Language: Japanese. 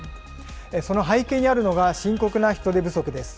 その背景にあるのが深刻な人手不足です。